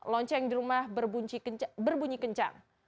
lonceng di rumah berbunyi kencang